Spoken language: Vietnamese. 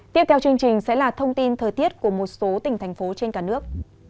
tiếp theo chương trình sẽ là thông tin thời tiết của một số tỉnh thành phố trên cả nước